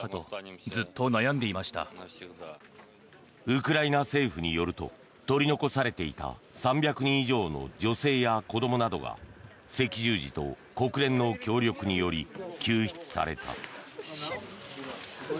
ウクライナ政府によると取り残されていた３００人以上の女性や子どもなどが赤十字と国連の協力により救出された。